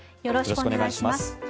よろしくお願いします。